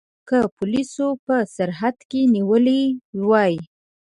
که پولیسو په سرحد کې نیولي وای.